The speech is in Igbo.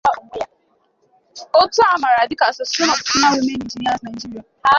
òtù a maara dịka 'Association of Professional Women Engineers Nigeria